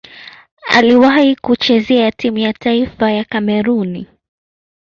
Aliwahi kucheza timu ya taifa ya Kamerun.